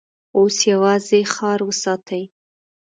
اوس يواځې ښار وساتئ!